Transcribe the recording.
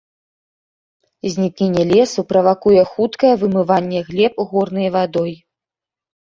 Знікненне лесу правакуе хуткае вымыванне глеб горнай вадой.